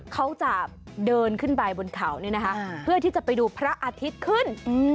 เขาจะเดินขึ้นไปบนเขาเพื่อที่จะไปดูพระอาทิตย์ขึ้น